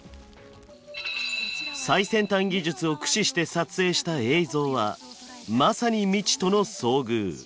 最先端技術を駆使して撮影した映像はまさに未知との遭遇！